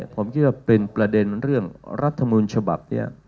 ผมคิดว่าเป็นประเด็นเรื่องรัฐมนต์ฉบับนี้